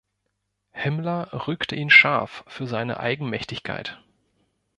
Himmler rügte ihn scharf für seine Eigenmächtigkeit.